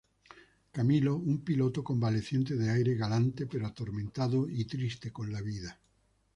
Camilo, un piloto convaleciente de aire galante pero atormentado y triste con la vida.